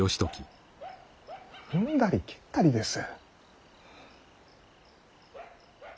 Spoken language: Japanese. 踏んだり蹴ったりです。